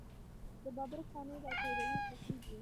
د ببرک پنیر او پیروی خوښیږي.